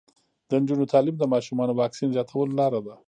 د نجونو تعلیم د ماشومانو واکسین زیاتولو لاره ده.